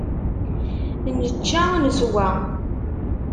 Nečča neswa.